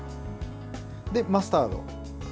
マスタード。